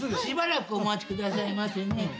しばらくお待ちくださいませね。